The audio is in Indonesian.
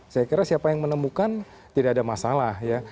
saya kira siapa yang menemukan tidak ada masalah ya